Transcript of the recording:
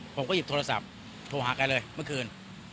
ผมก็หยิบโทรศัพท์โทรหาแกเลยเมื่อคืน